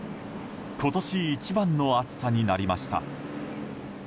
今年一番の暑さになりました。